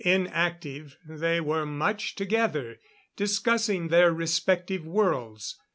Inactive, they were much together, discussing their respective worlds.